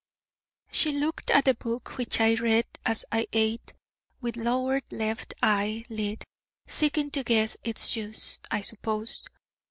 She looked at the book, which I read as I ate, with lowered left eye lid, seeking to guess its use, I suppose.